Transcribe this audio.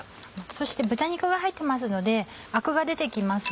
そして豚肉が入ってますのでアクが出て来ます。